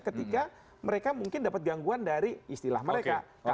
ketika mereka mungkin dapat gangguan dari istilah mereka